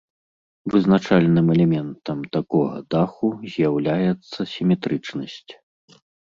Вызначальным элементам такога даху з'яўляецца сіметрычнасць.